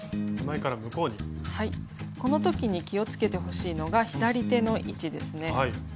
この時に気をつけてほしいのが左手の位置ですね。